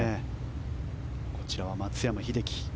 こちらは松山英樹。